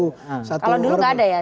kalau dulu nggak ada ya